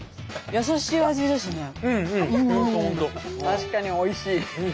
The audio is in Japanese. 確かにおいしい！